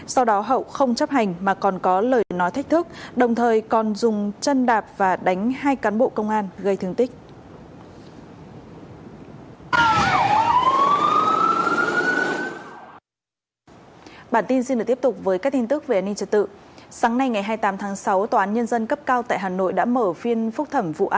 sau đó hậu không chấp hành mà còn có lời nói thách thức đồng thời còn dùng chân đạp và đánh hai cán bộ công an gây thương tích